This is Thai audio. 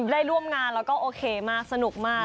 ได้ร่วมงานแล้วก็โอเคมากสนุกมาก